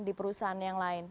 di perusahaan yang lain